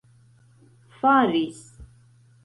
faris